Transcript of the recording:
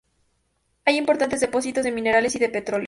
Hay importantes depósitos de minerales y de petróleo.